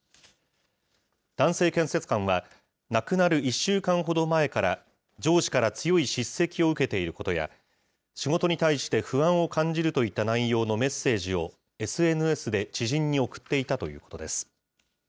男性検察官は、亡くなる１週間ほど前から、上司から強い叱責を受けていることや、仕事に対して不安を感じるといった内容のメッセージをＳＮＳで知人に送っていたということです。